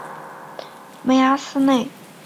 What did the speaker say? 梅阿斯内。